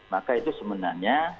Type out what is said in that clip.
maka itu sebenarnya